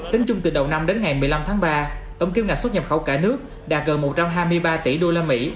tính chung từ đầu năm đến ngày một mươi năm tháng ba tổng kiếm ngạch xuất nhập khẩu cả nước đạt gần một trăm hai mươi ba tỷ usd